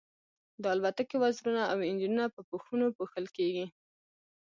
د الوتکې وزرونه او انجنونه په پوښونو پوښل کیږي